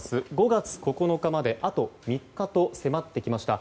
５月９日まであと３日と迫ってきました。